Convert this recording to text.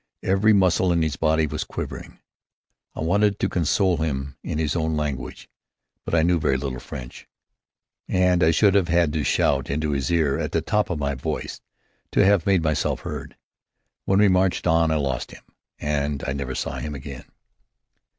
Every muscle in his body was quivering. I wanted to console him in his own language. But I knew very little French, and I should have had to shout into his ear at the top of my voice to have made myself heard. When we marched on I lost him. And I never saw him again.